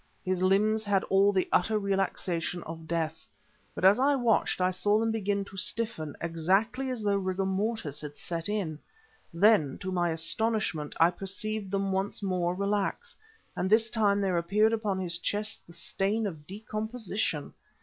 His limbs had all the utter relaxation of death. But as I watched I saw them begin to stiffen, exactly as though rigor mortis had set in. Then, to my astonishment, I perceived them once more relax, and this time there appeared upon his chest the stain of decomposition.